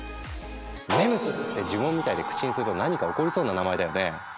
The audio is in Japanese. ＭＥＭＳって呪文みたいで口にすると何か起こりそうな名前だよね？